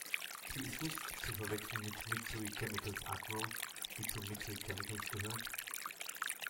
Sie ist nicht zu verwechseln mit "Mitsui Chemicals Agro", die zu Mitsui Chemicals gehört.